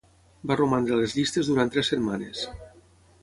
Va romandre a les llistes durant tres setmanes.